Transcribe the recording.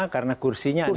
karena kursinya ada lima